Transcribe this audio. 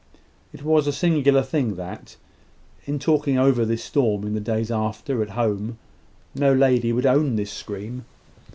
It was a singular thing that, in talking over this storm in after days at home, no lady would own this scream.